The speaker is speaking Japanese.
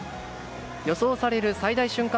予想される最大瞬間